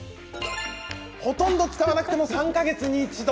ほとんど使わなくても３か月に一度。